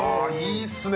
いいっすね